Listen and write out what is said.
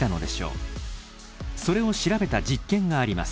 それを調べた実験があります。